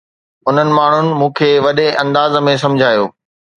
انهن ماڻهن مون کي وڏي انداز ۾ سمجھايو